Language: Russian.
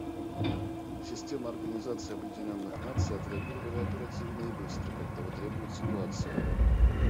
Система Организации Объединенных Наций отреагировала оперативно и быстро, как того требует ситуация.